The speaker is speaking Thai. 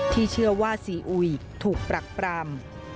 ที่เชื่อว่าซีอุยถูกปรักปรำ